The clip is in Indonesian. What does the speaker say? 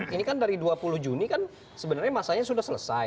ini kan dari dua puluh juni kan sebenarnya masanya sudah selesai